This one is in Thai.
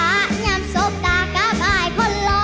เนียมโสบดากกับอายคนล้อ